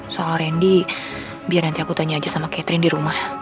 soal randy biar nanti aku tanya aja sama catherine di rumah